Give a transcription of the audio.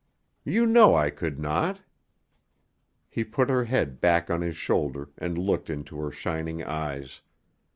You know I could not?" He put her head back on his shoulder and looked into her shining eyes.